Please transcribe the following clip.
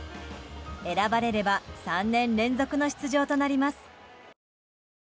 選ばれれば３年連続の出場となります。